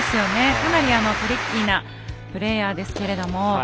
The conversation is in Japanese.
かなりトリッキーなプレーヤーですけれども。